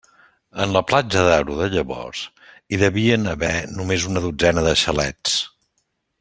En la Platja d'Aro de llavors hi devien haver només una dotzena de xalets.